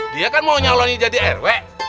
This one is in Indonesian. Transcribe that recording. dia kan mau nyolong ini jadi rw